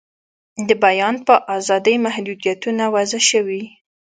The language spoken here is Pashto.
د بیان په آزادۍ محدویتونه وضع شوي.